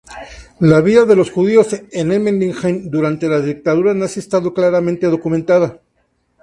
La vida de los judíos en Emmendingen durante la dictadura nazi está claramente documentada.